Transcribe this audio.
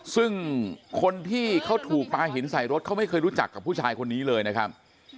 ซึ่งคนที่เขาถูกปลาหินใส่รถเขาไม่เคยรู้จักกับผู้ชายคนนี้เลยนะครับ